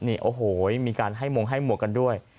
นี่โอ้โหมีการให้มงให้หมวกกันด้วย